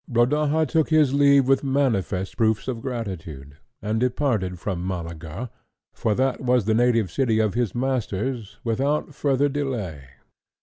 Rodaja took his leave with manifest proofs of gratitude, and departed from Malaga, for that was the native city of his masters, without further delay.